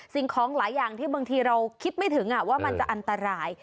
สิ่งของหลายอย่างที่บางทีเราคิดไม่ถึงว่ามันจะอันตราย